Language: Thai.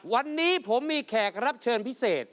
วันนี้ผมมีแขกรับเชิญพิเศษ